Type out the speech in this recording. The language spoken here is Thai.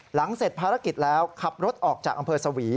หลังเสร็จภารกิจแล้วขับรถออกจากอำเภอสวี